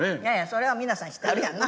それは皆さん知ってはるやんな。